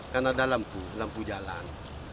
kan ada lampu lampu jalan